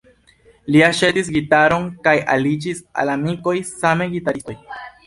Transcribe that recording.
Li aĉetis gitaron kaj aliĝis al amikoj, same gitaristoj.